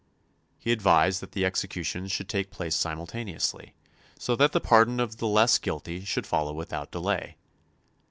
He advised that the executions should take place simultaneously, so that the pardon of the less guilty should follow without delay.